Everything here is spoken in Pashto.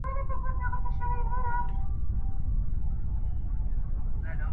• اسمان نیولي سترګي دي برندي -